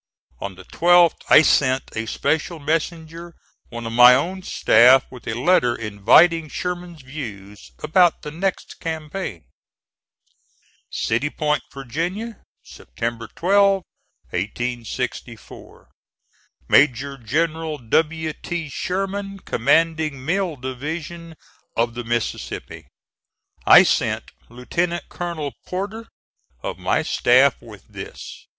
On the 12th I sent a special messenger, one of my own staff, with a letter inviting Sherman's views about the next campaign. CITY POINT, VA., Sept. 12, 1864. MAJOR GENERAL W. T. SHERMAN, Commanding Mill Division of the Mississippi. I send Lieutenant Colonel Porter, of my staff, with this.